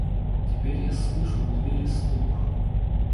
Теперь я слышу в двери стук.